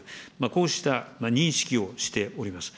こうした認識をしております。